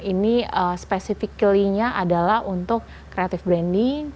ini spesifikalnya adalah untuk kreatif branding